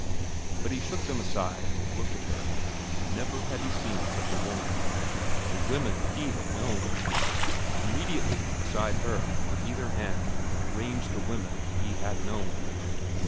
But he shook them aside and looked at her. Never had he seen such a woman. The women he had known! Immediately, beside her, on either hand, ranged the women he had known.